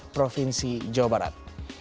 provinsi jawa barat